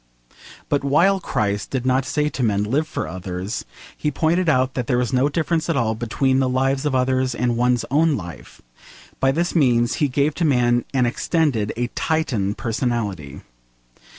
But while Christ did not say to men, 'Live for others,' he pointed out that there was no difference at all between the lives of others and one's own life. By this means he gave to man an extended, a Titan personality.